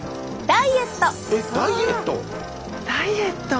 ダイエット。